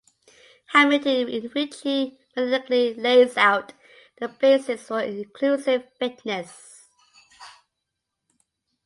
Hamilton in which he mathematically lays out the basis for inclusive fitness.